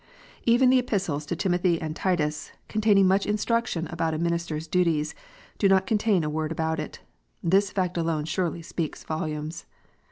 Even the Epistles to Timothy and Titus, containing much instruction about a minister s duties, do not contain a word about it. This fact alone surely speaks volumes